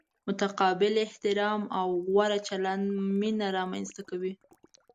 متقابل احترام او غوره چلند مینه را منځ ته کوي.